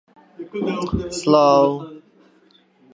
ئەفسەرە بەعسییەکە گوتی: